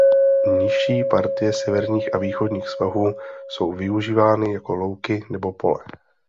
Nižší partie severních a východních svahů jsou využívány jako louky nebo pole.